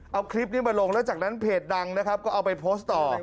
เอาคลิปนี้มาลงแล้วจากนั้นเพจดังนะครับก็เอาไปโพสต์ต่อ